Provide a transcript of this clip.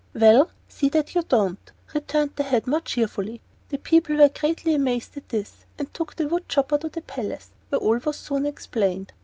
"Well, see that you don't," returned the head more cheerfully. The people were greatly amazed at this, and took the wood chopper to the palace, where all was soon explained.